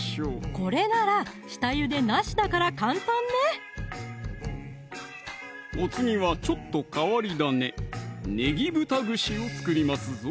これなら下ゆでなしだから簡単ねお次はちょっと変わり種ねぎ豚串を作りますぞ